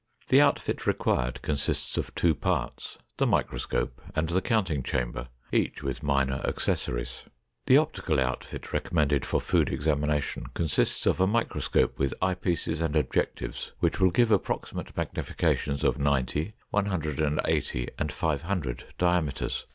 The outfit required consists of two parts, the microscope and the counting chamber, each with minor accessories. The optical outfit recommended for food examination consists of a microscope with eye pieces and objectives which will give approximate magnifications of 90, 180, and 500 diameters.